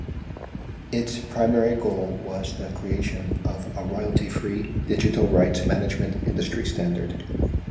Its primary goal was the creation of a royalty-free digital rights management industry standard.